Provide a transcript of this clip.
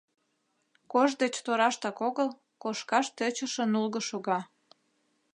Кож деч тораштак огыл кошкаш тӧчышӧ нулго шога.